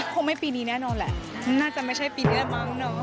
คงไม่ปีนี้แน่นอนแหละน่าจะไม่ใช่ปีนี้ละมั้งเนาะ